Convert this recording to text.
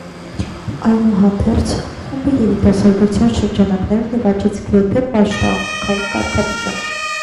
Այնուհանդերձ խումբը երիտասարդության շրջանակներում նվաճեց գրեթե պաշտամունքային կարգավիճակ։